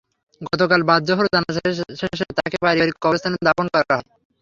গতকাল বাদ জোহর জানাজা শেষে তাঁকে পারিবারিক কবরস্থানে দাফন করা হয়।